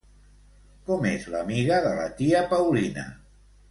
Com és l'amiga de la tia Paulina?